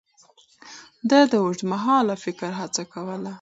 ده د اوږدمهاله فکر هڅه کوله.